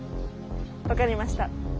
わかりました。